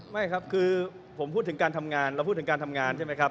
ไม่ครับคือผมพูดถึงการทำงานเราพูดถึงการทำงานใช่ไหมครับ